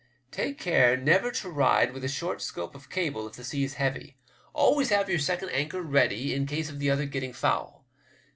Take care never to ride with a short scope of cable if the sea's heavy. Always have your second anchor ready in case of the other getting foul.